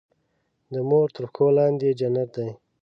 د مور تر پښو لاندې جنت دی.